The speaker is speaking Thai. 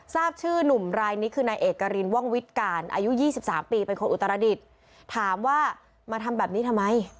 ทราบชื่อหนุ่มรายนี้คือนายเอกรินว่องวิทย์การอายุ๒๓ปีเป็นคนอุตรดิษฐ์ถามว่ามาทำแบบนี้ทำไม